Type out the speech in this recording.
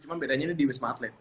cuma bedanya ini di wisma atlet